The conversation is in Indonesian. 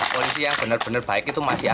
polisi yang benar benar baik itu masih ada